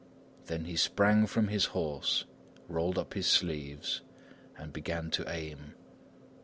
Then he sprang from his horse, rolled up his sleeves, and began to aim.